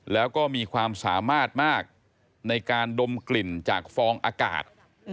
แล้วก็มีความสามารถมากในการดมกลิ่นจากฟองอากาศ